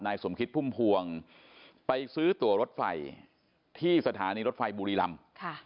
สมคิดพุ่มพวงไปซื้อตัวรถไฟที่สถานีรถไฟบุรีรำ